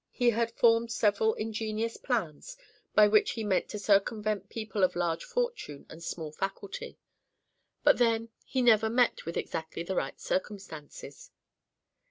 He had formed several ingenious plans by which he meant to circumvent people of large fortune and small faculty; but then he never met with exactly the right circumstances.